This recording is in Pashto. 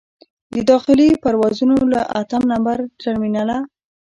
د داخلي پروازونو له اتم نمبر ټرمینله.